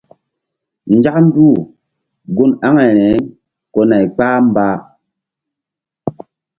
Nzak nduh un aŋayri ko nay kpah mba.